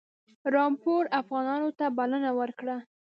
رامپور افغانانو ته بلنه ورکړه.